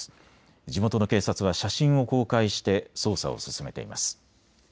地元の警察は写真を公開して捜査を進めています。